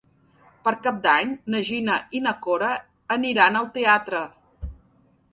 Per Cap d'Any na Gina i na Cora iran al teatre.